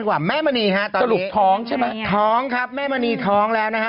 เขาก็กลัว